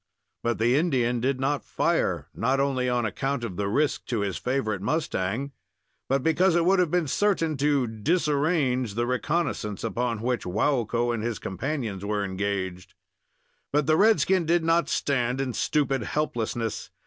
But the Indian did not fire, not only on account of the risk to his favorite mustang, but because it would have been certain to disarrange the reconnoissance upon which Waukko and his companions were engaged. But the red skin did not stand in stupid helplessness.